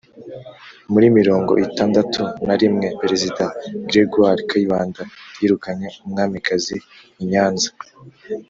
Muri mirongo itandatu na rimwe, Perezida Gregoire Kayibanda yirukanye umwamikazi I Nyanza.